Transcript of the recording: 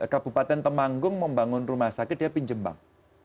kabupaten temanggung membangun rumah sakit dia pinjem bank